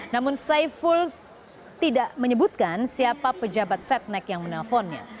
namun saiful tidak menyebutkan siapa pejabat setnek yang menelponnya